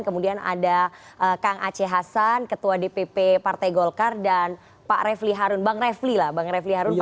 kemudian ada kang aceh hasan ketua dpp partai golkar dan pak revli harun bang revli lah pakar hukum tata negara